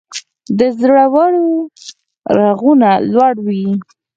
د زړورو ږغونه لوړ وي.